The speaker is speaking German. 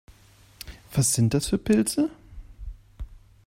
Was sind das für Pilze?